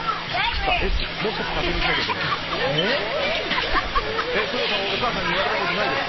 Ｓ、もう１つ確認しなきゃいけないものがあります。